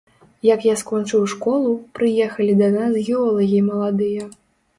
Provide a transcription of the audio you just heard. Як я скончыў школу, прыехалі да нас геолагі маладыя.